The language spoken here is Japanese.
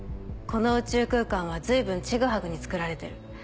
この宇宙空間は随分ちぐはぐに作られてる。